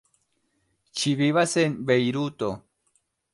Ŝi vivas en Bejruto.